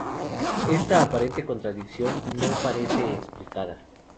Esta aparente contradicción no parece explicada.